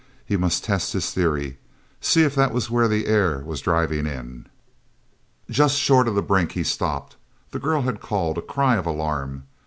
He must test his theory—see if that was where the air was driving in. Just short of the brink he stopped. The girl had called—a cry of alarm.